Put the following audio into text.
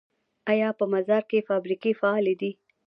آیا په مزار کې فابریکې فعالې دي؟